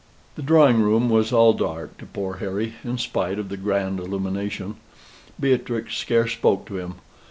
The drawing room was all dark to poor Harry, in spite of the grand illumination. Beatrix scarce spoke to him.